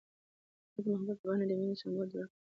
هغه د محبت په بڼه د مینې سمبول جوړ کړ.